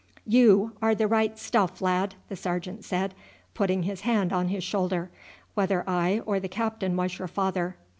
"You are the right stuff, lad," the sergeant said, putting his hand on his shoulder, "whether I or the captain was your father.